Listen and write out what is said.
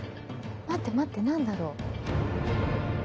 待って待って何だろう？